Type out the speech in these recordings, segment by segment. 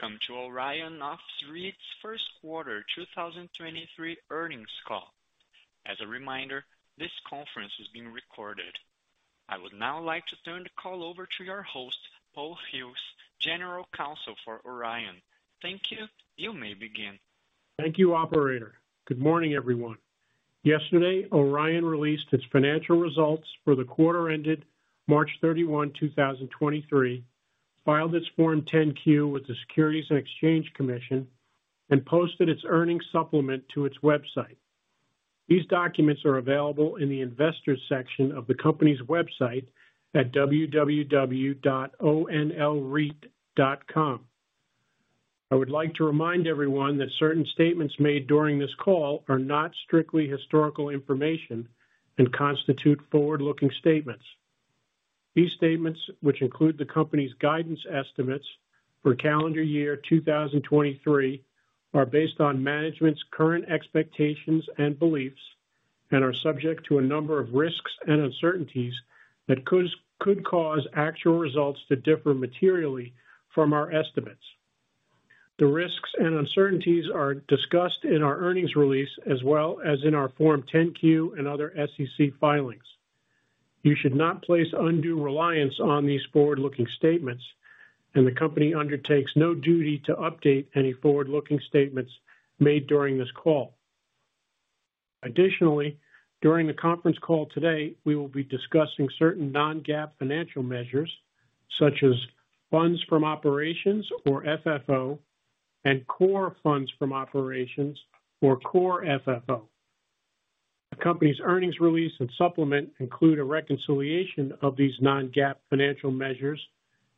Welcome to Orion Office REIT's first quarter 2023 earnings call. As a reminder, this conference is being recorded. I would now like to turn the call over to your host, Paul Hughes, General Counsel for Orion. Thank you. You may begin. Thank you, operator. Good morning, everyone. Yesterday, Orion released its financial results for the quarter ended March 31, 2023, filed its Form 10-Q with the Securities and Exchange Commission, and posted its earnings supplement to its website. These documents are available in the investors section of the company's website at www.onlreit.com. I would like to remind everyone that certain statements made during this call are not strictly historical information and constitute forward-looking statements. These statements, which include the company's guidance estimates for calendar year 2023, are based on management's current expectations and beliefs and are subject to a number of risks and uncertainties that could cause actual results to differ materially from our estimates. The risks and uncertainties are discussed in our earnings release as well as in our Form 10-Q and other SEC filings. You should not place undue reliance on these forward-looking statements, and the company undertakes no duty to update any forward-looking statements made during this call. Additionally, during the conference call today, we will be discussing certain non-GAAP financial measures such as funds from operations or FFO, and core funds from operations or core FFO. The company's earnings release and supplement include a reconciliation of these non-GAAP financial measures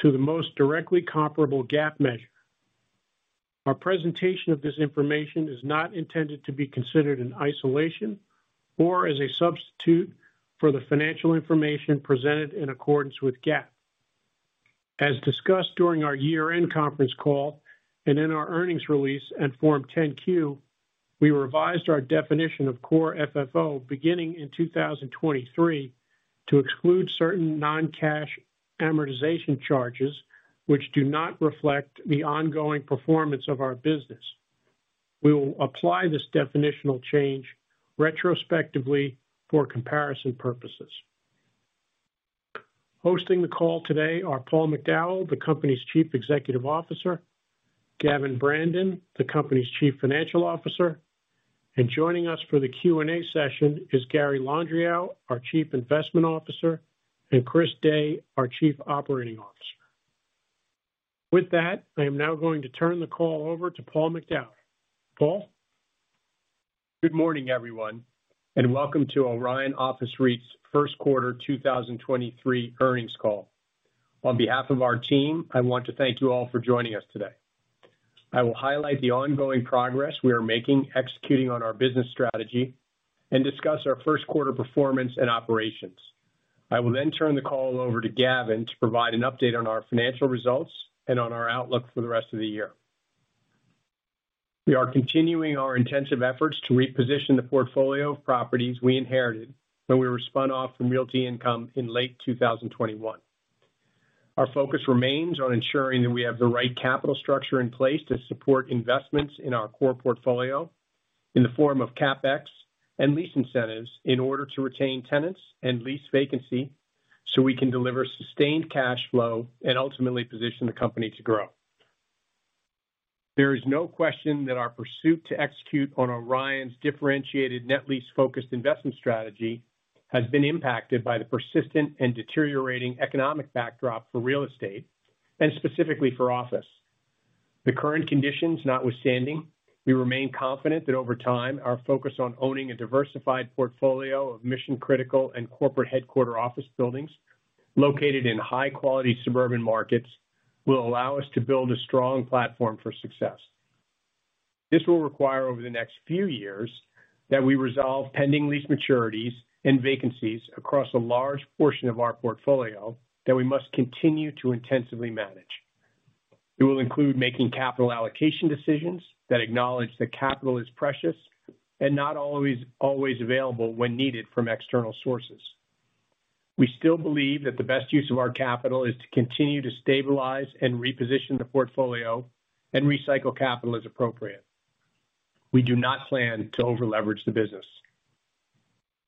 to the most directly comparable GAAP measure. Our presentation of this information is not intended to be considered in isolation or as a substitute for the financial information presented in accordance with GAAP. As discussed during our year-end conference call and in our earnings release and Form 10-Q, we revised our definition of core FFO beginning in 2023 to exclude certain non-cash amortization charges, which do not reflect the ongoing performance of our business. We will apply this definitional change retrospectively for comparison purposes. Hosting the call today are Paul McDowell, the company's Chief Executive Officer, Gavin Brandon, the company's Chief Financial Officer, and joining us for the Q&A session is Gary Landriau, our Chief Investment Officer, and Chris Day, our Chief Operating Officer. With that, I am now going to turn the call over to Paul McDowell. Paul. Good morning, everyone, welcome to Orion Office REIT's first quarter 2023 earnings call. On behalf of our team, I want to thank you all for joining us today. I will highlight the ongoing progress we are making executing on our business strategy and discuss our first quarter performance and operations. I will turn the call over to Gavin to provide an update on our financial results and on our outlook for the rest of the year. We are continuing our intensive efforts to reposition the portfolio of properties we inherited when we were spun off from Realty Income in late 2021. Our focus remains on ensuring that we have the right capital structure in place to support investments in our core portfolio in the form of CapEx and lease incentives in order to retain tenants and lease vacancy so we can deliver sustained cash flow and ultimately position the company to grow. There is no question that our pursuit to execute on Orion's differentiated net lease focused investment strategy has been impacted by the persistent and deteriorating economic backdrop for real estate and specifically for office. The current conditions notwithstanding, we remain confident that over time our focus on owning a diversified portfolio of mission critical and corporate headquarter office buildings located in high quality suburban markets will allow us to build a strong platform for success. This will require over the next few years that we resolve pending lease maturities and vacancies across a large portion of our portfolio that we must continue to intensively manage. It will include making capital allocation decisions that acknowledge that capital is precious and not always available when needed from external sources. We still believe that the best use of our capital is to continue to stabilize and reposition the portfolio and recycle capital as appropriate. We do not plan to overleverage the business.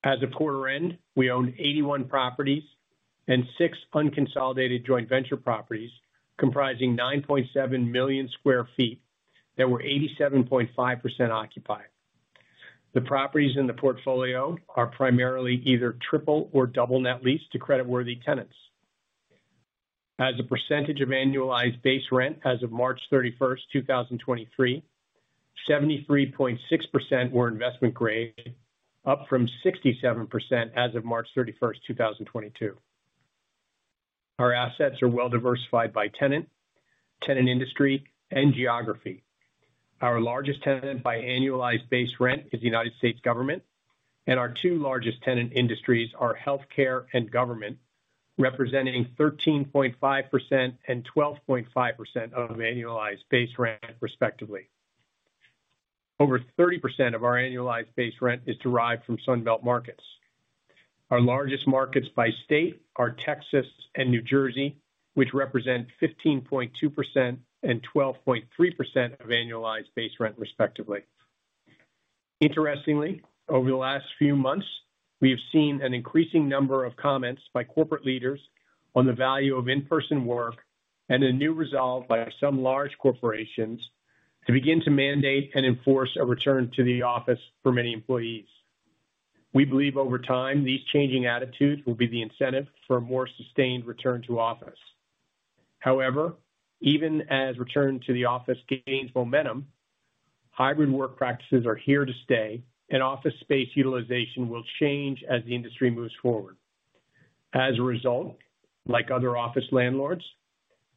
As of quarter end, we own 81 properties and six unconsolidated joint venture properties comprising 9.7 million square feet that were 87.5% occupied. The properties in the portfolio are primarily either triple or double net lease to creditworthy tenants. As a percentage of annualized base rent as of March 31, 2023, 73.6% were investment grade, up from 67% as of March 31, 2022. Our assets are well diversified by tenant industry and geography. Our largest tenant by annualized base rent is the United States government, and our two largest tenant industries are healthcare and government, representing 13.5% and 12.5% of annualized base rent respectively. Over 30% of our annualized base rent is derived from Sunbelt markets. Our largest markets by state are Texas and New Jersey, which represent 15.2% and 12.3% of annualized base rent, respectively. Interestingly, over the last few months, we have seen an increasing number of comments by corporate leaders on the value of in-person work and a new resolve by some large corporations to begin to mandate and enforce a return to the office for many employees. We believe over time, these changing attitudes will be the incentive for a more sustained return to office. However, even as return to the office gains momentum, hybrid work practices are here to stay, and office space utilization will change as the industry moves forward. As a result, like other office landlords,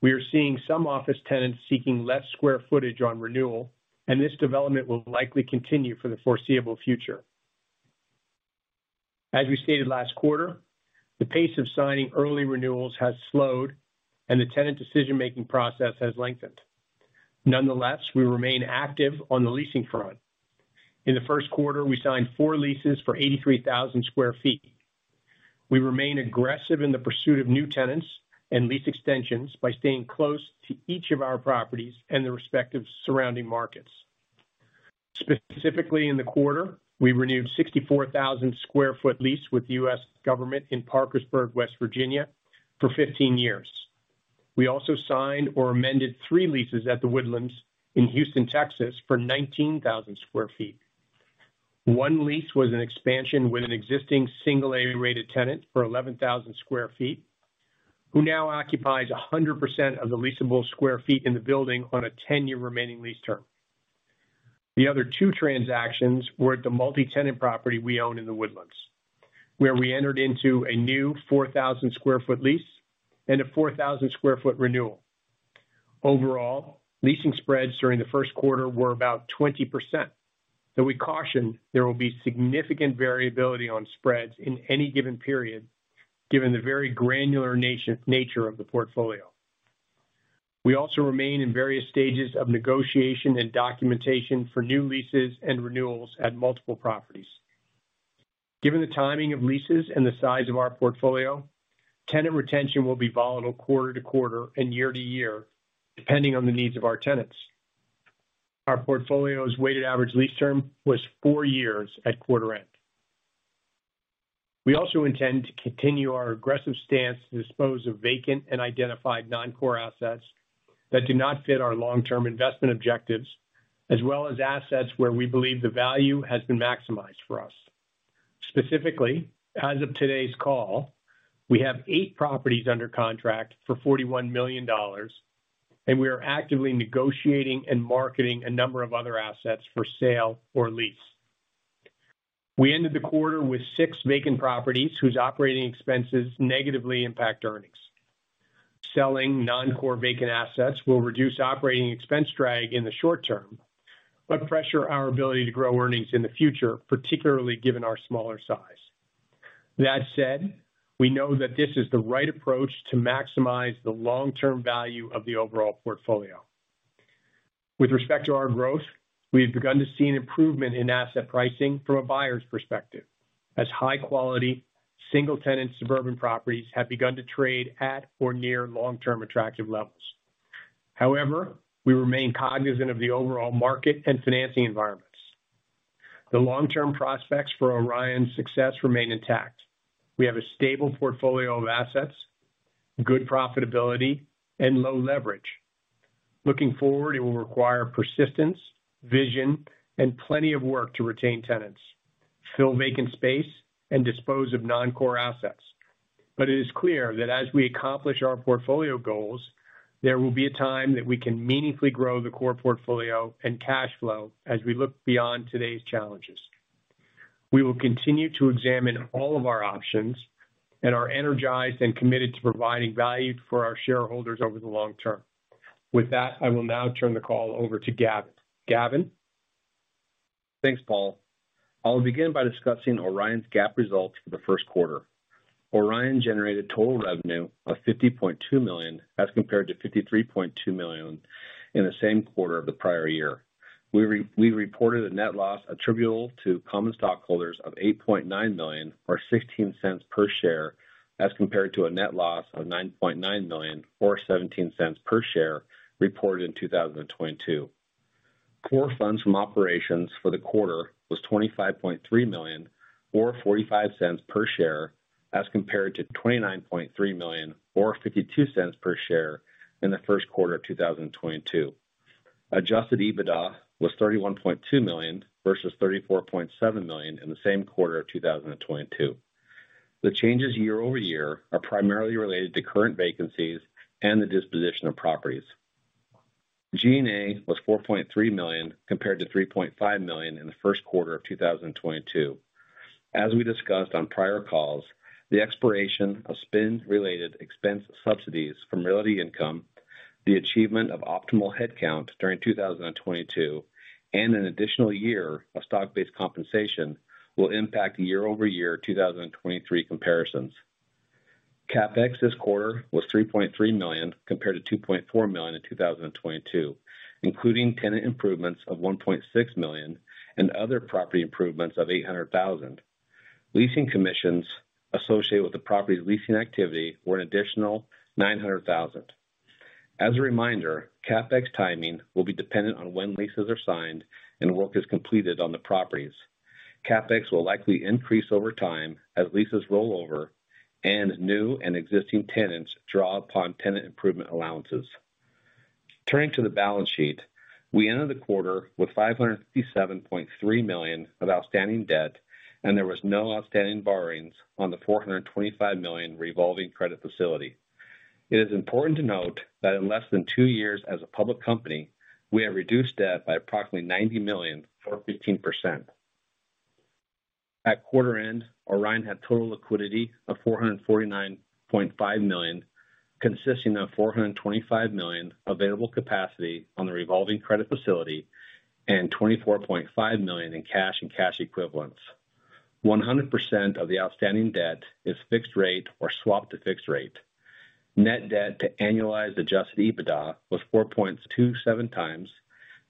we are seeing some office tenants seeking less square footage on renewal, and this development will likely continue for the foreseeable future. As we stated last quarter, the pace of signing early renewals has slowed, and the tenant decision-making process has lengthened. Nonetheless, we remain active on the leasing front. In the first quarter, we signed four leases for 83,000 square feet. We remain aggressive in the pursuit of new tenants and lease extensions by staying close to each of our properties and their respective surrounding markets. Specifically in the quarter, we renewed a 64,000 square feet lease with the US government in Parkersburg, West Virginia, for 15 years. We also signed or amended three leases at The Woodlands in Houston, Texas for 19,000 square feet. One lease was an expansion with an existing single A-rated tenant for 11,000 square feet, who now occupies 100% of the leasable square feet in the building on a 10-year remaining lease term. The other two transactions were at the multi-tenant property we own in The Woodlands, where we entered into a new 4,000 square feet lease and a 4,000 square feet renewal. Overall, leasing spreads during the first quarter were about 20%, though we caution there will be significant variability on spreads in any given period given the very granular nature of the portfolio. We also remain in various stages of negotiation and documentation for new leases and renewals at multiple properties. Given the timing of leases and the size of our portfolio, tenant retention will be volatile quarter to quarter and year to year, depending on the needs of our tenants. Our portfolio's weighted average lease term was four years at quarter end. We also intend to continue our aggressive stance to dispose of vacant and identified non-core assets that do not fit our long-term investment objectives, as well as assets where we believe the value has been maximized for us. Specifically, as of today's call, we have eight properties under contract for $41 million, we are actively negotiating and marketing a number of other assets for sale or lease. We ended the quarter with six vacant properties whose operating expenses negatively impact earnings. Selling non-core vacant assets will reduce operating expense drag in the short term, pressure our ability to grow earnings in the future, particularly given our smaller size. That said, we know that this is the right approach to maximize the long-term value of the overall portfolio. With respect to our growth, we've begun to see an improvement in asset pricing from a buyer's perspective, as high quality, single tenant suburban properties have begun to trade at or near long-term attractive levels. We remain cognizant of the overall market and financing environments. The long-term prospects for Orion's success remain intact. We have a stable portfolio of assets, good profitability, and low leverage. Looking forward, it will require persistence, vision, and plenty of work to retain tenants, fill vacant space, and dispose of non-core assets. It is clear that as we accomplish our portfolio goals, there will be a time that we can meaningfully grow the core portfolio and cash flow as we look beyond today's challenges. We will continue to examine all of our options and are energized and committed to providing value for our shareholders over the long term. With that, I will now turn the call over to Gavin. Gavin? Thanks, Paul. I'll begin by discussing Orion's GAAP results for the first quarter. Orion generated total revenue of $50.2 million, as compared to $53.2 million in the same quarter of the prior year. We reported a net loss attributable to common stockholders of $8.9 million or $0.16 per share, as compared to a net loss of $9.9 million or $0.17 per share reported in 2022. Core funds from operations for the quarter was $25.3 million or $0.45 per share, as compared to $29.3 million or $0.52 per share in the first quarter of 2022. Adjusted EBITDA was $31.2 million versus $34.7 million in the same quarter of 2022. The changes year-over-year are primarily related to current vacancies and the disposition of properties. G&A was $4.3 million compared to $3.5 million in the first quarter of 2022. As we discussed on prior calls, the expiration of spin-related expense subsidies from Realty Income, the achievement of optimal headcount during 2022, and an additional year of stock-based compensation will impact year-over-year 2023 comparisons. CapEx this quarter was $3.3 million compared to $2.4 million in 2022, including tenant improvements of $1.6 million and other property improvements of $800,000. Leasing commissions associated with the property's leasing activity were an additional $900,000. As a reminder, CapEx timing will be dependent on when leases are signed and work is completed on the properties. CapEx will likely increase over time as leases roll over and new and existing tenants draw upon tenant improvement allowances. Turning to the balance sheet. We ended the quarter with $557.3 million of outstanding debt. There was no outstanding borrowings on the $425 million revolving credit facility. It is important to note that in less than two years as a public company, we have reduced debt by approximately $90 million or 15%. At quarter end, Orion had total liquidity of $449.5 million, consisting of $425 million available capacity on the revolving credit facility and $24.5 million in cash and cash equivalents. 100% of the outstanding debt is fixed rate or swapped to fixed rate. Net debt to annualized adjusted EBITDA was 4.27 times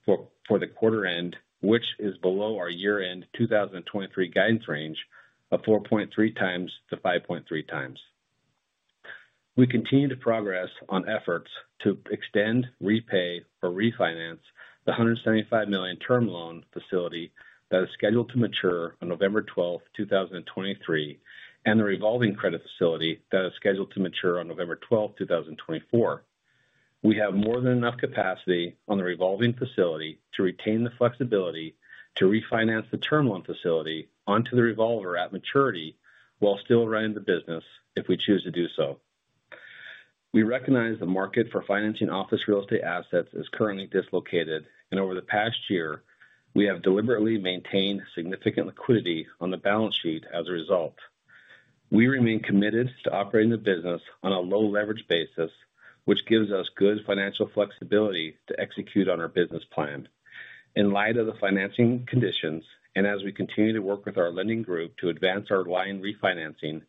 for the quarter end, which is below our year-end 2023 guidance range of 4.3x-5.3x. We continue to progress on efforts to extend, repay, or refinance the $175 million term loan facility that is scheduled to mature on November 12, 2023, and the revolving credit facility that is scheduled to mature on November 12, 2024. We have more than enough capacity on the revolving facility to retain the flexibility to refinance the term loan facility onto the revolver at maturity while still running the business if we choose to do so. We recognize the market for financing office real estate assets is currently dislocated, and over the past year, we have deliberately maintained significant liquidity on the balance sheet as a result. We remain committed to operating the business on a low leverage basis, which gives us good financial flexibility to execute on our business plan. In light of the financing conditions, and as we continue to work with our lending group to advance our line refinancing,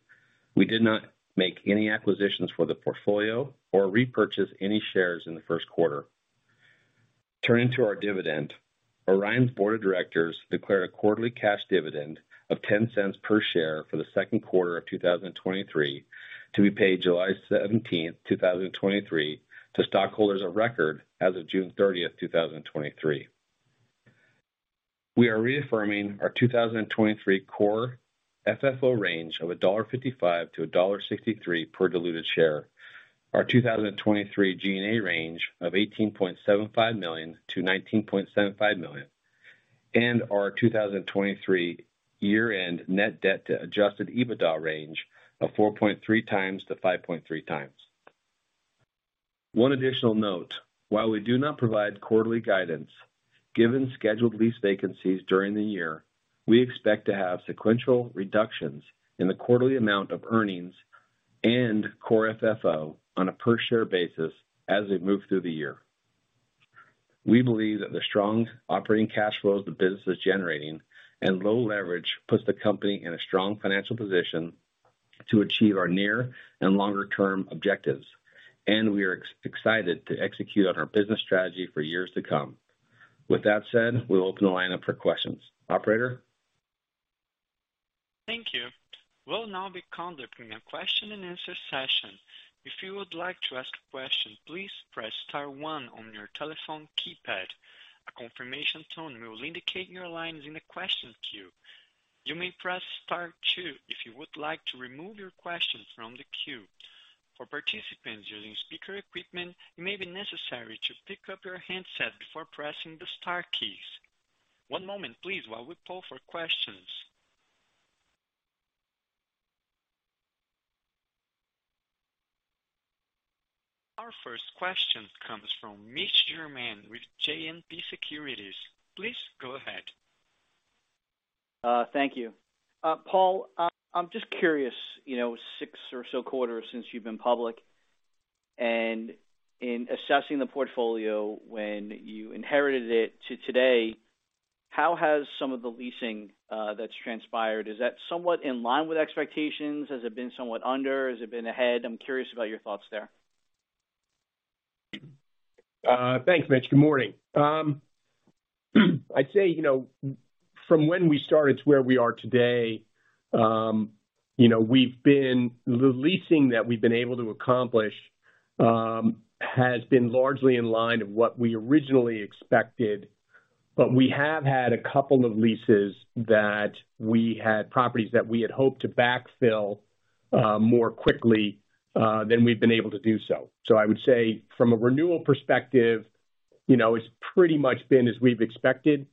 we did not make any acquisitions for the portfolio or repurchase any shares in the first quarter. Turning to our dividend. Orion's board of directors declared a quarterly cash dividend of $0.10 per share for the second quarter of 2023, to be paid July 17th, 2023 to stockholders of record as of June 30th, 2023. We are reaffirming our 2023 core FFO range of $1.55-$1.63 per diluted share. Our 2023 G&A range of $18.75 million-$19.75 million. Our 2023 year-end net debt to Adjusted EBITDA range of 4.3x-5.3x. One additional note. While we do not provide quarterly guidance, given scheduled lease vacancies during the year, we expect to have sequential reductions in the quarterly amount of earnings and core FFO on a per share basis as we move through the year. We believe that the strong operating cash flows the business is generating and low leverage puts the company in a strong financial position to achieve our near and longer-term objectives, we are excited to execute on our business strategy for years to come. With that said, we'll open the line up for questions. Operator? Thank you. We'll now be conducting a question and answer session. If you would like to ask a question, please press star one on your telephone keypad. A confirmation tone will indicate your line is in the question queue. You may press star two if you would like to remove your question from the queue. For participants using speaker equipment, it may be necessary to pick up your handset before pressing the star keys. One moment please, while we poll for questions. Our first question comes from Mitch Germain with JMP Securities. Please go ahead. Thank you. Paul, I'm just curious, you know, six or so quarters since you've been public, in assessing the portfolio when you inherited it to today, how has some of the leasing that's transpired, is that somewhat in line with expectations? Has it been somewhat under? Has it been ahead? I'm curious about your thoughts there. Thanks, Mitch. Good morning. I'd say, you know, from when we started to where we are today, you know, the leasing that we've been able to accomplish has been largely in line of what we originally expected. We have had a couple of leases that we had properties that we had hoped to backfill more quickly than we've been able to do so. I would say from a renewal perspective, you know, it's pretty much been as we've expected,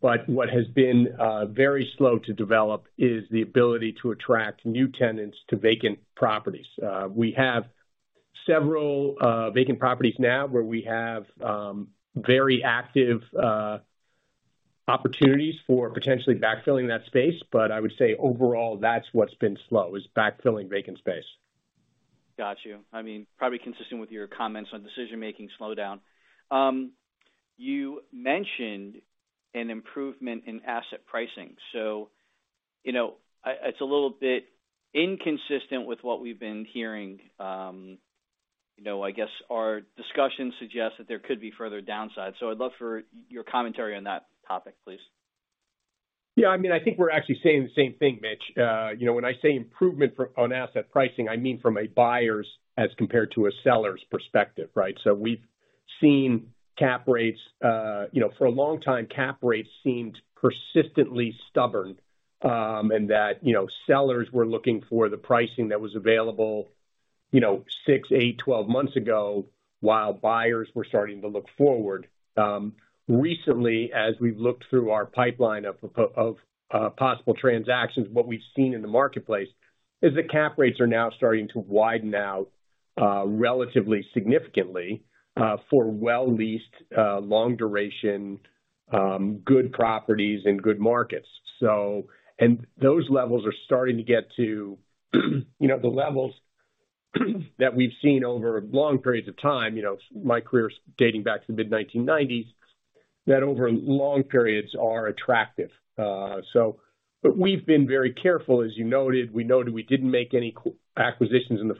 but what has been very slow to develop is the ability to attract new tenants to vacant properties. We have several vacant properties now where we have very active opportunities for potentially backfilling that space. I would say overall that's what's been slow is backfilling vacant space. Got you. I mean, probably consistent with your comments on decision-making slowdown. You mentioned an improvement in asset pricing, so, you know, it's a little bit inconsistent with what we've been hearing, you know, I guess our discussion suggests that there could be further downside, so I'd love for your commentary on that topic, please. Yeah, I mean, I think we're actually saying the same thing, Mitch. You know, when I say improvement on asset pricing, I mean from a buyer's as compared to a seller's perspective, right? We've seen cap rates, you know, for a long time, cap rates seemed persistently stubborn, and that, you know, sellers were looking for the pricing that was available, six, eight, 12 months ago, while buyers were starting to look forward. Recently, as we've looked through our pipeline of possible transactions, what we've seen in the marketplace is that cap rates are now starting to widen out, relatively significantly, for well-leased, long duration, good properties and good markets. So Those levels are starting to get to, you know, the levels that we've seen over long periods of time, you know, my career dating back to the mid-1990s, that over long periods are attractive. But we've been very careful, as you noted. We noted we didn't make any acquisitions in the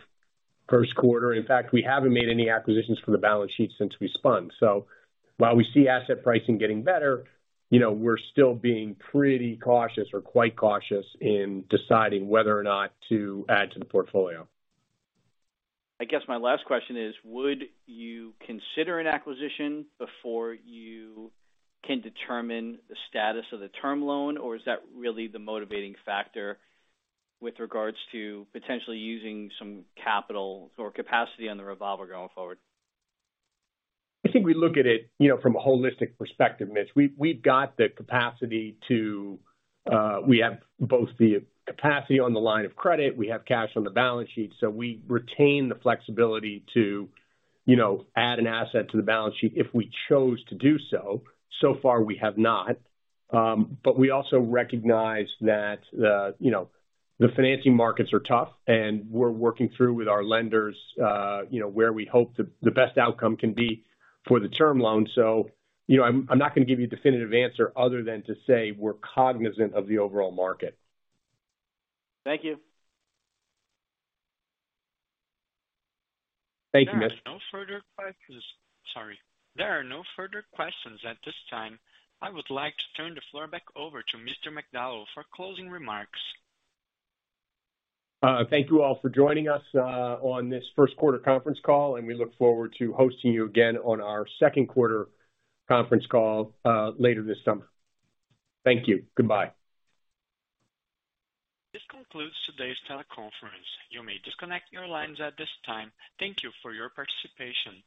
first quarter. In fact, we haven't made any acquisitions from the balance sheet since we spun. While we see asset pricing getting better, you know, we're still being pretty cautious or quite cautious in deciding whether or not to add to the portfolio. I guess my last question is, would you consider an acquisition before you can determine the status of the term loan, or is that really the motivating factor with regards to potentially using some capital or capacity on the revolver going forward? I think we look at it, you know, from a holistic perspective, Mitch. We've got the capacity to, we have both the capacity on the line of credit. We have cash on the balance sheet. We retain the flexibility to, you know, add an asset to the balance sheet if we chose to do so. So far we have not. We also recognize that, you know, the financing markets are tough, and we're working through with our lenders, you know, where we hope the best outcome can be for the term loan. You know, I'm not gonna give you a definitive answer other than to say we're cognizant of the overall market. Thank you. Thank you, Mitch. Sorry. There are no further questions at this time. I would like to turn the floor back over to Mr. McDowell for closing remarks. Thank you all for joining us on this first quarter conference call. We look forward to hosting you again on our second quarter conference call later this summer. Thank you. Goodbye. This concludes today's teleconference. You may disconnect your lines at this time. Thank you for your participation.